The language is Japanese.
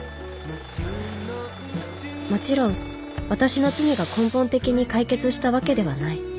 もちろん私の罪が根本的に解決したわけではない。